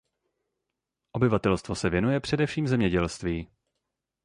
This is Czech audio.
Obyvatelstvo se věnuje především zemědělství.